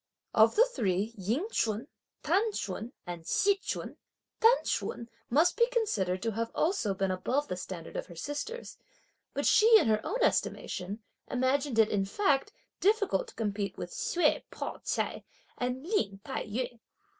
Of the three Ying Ch'un, T'an Ch'un, and Hsi Ch'un, T'an Ch'un must be considered to have also been above the standard of her sisters, but she, in her own estimation, imagined it, in fact, difficult to compete with Hsüeh Pao ch'ai and Lin Tai yü.